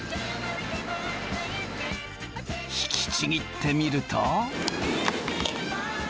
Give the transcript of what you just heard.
引きちぎってみると。